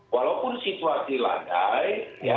walaupun situasi landai